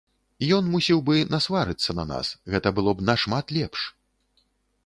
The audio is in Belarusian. Ён мусіў бы насварыцца на нас, гэта было б нашмат лепш!